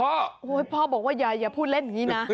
โอ้โหพ่อบอกว่ายายอย่าพูดเล่นอย่างนี้นะ